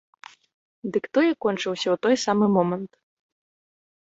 Дык той і кончыўся ў той самы момант.